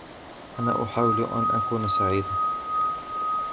أنا أحاول أن أكون سعيدا.